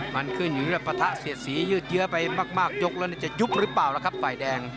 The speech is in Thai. มันขึ้นอยู่เรื่องปะทะเสียดสียืดเยอะไปมากยกแล้วจะยุบหรือเปล่าล่ะครับฝ่ายแดง